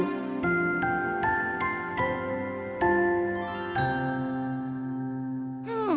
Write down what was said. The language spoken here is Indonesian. pemandu menjelaskan masalah ini kepada pemandu